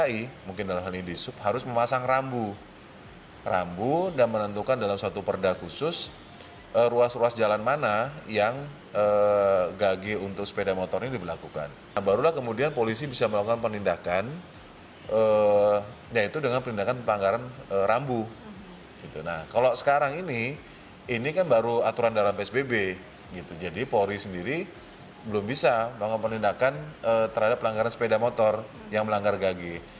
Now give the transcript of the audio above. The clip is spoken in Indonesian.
ini kan baru aturan dalam psbb jadi polri sendiri belum bisa melakukan penindakan terhadap pelanggaran sepeda motor yang melanggar gage